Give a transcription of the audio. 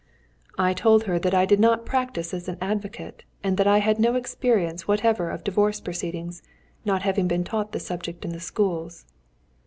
I told her that I did not practise as an advocate, and that I had no experience whatever of divorce proceedings, not having been taught the subject in the schools.